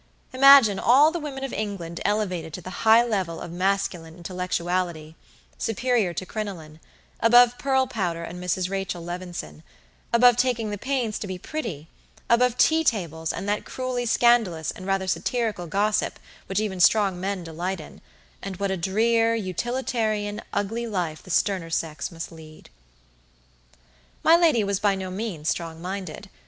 Imagine all the women of England elevated to the high level of masculine intellectuality, superior to crinoline; above pearl powder and Mrs. Rachael Levison; above taking the pains to be pretty; above tea tables and that cruelly scandalous and rather satirical gossip which even strong men delight in; and what a drear, utilitarian, ugly life the sterner sex must lead. My lady was by no means strong minded.